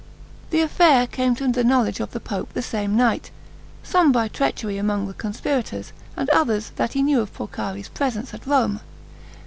The affair came to the knowledge of the pope the same night, some say by treachery among the conspirators, and others that he knew of Porcari's presence at Rome.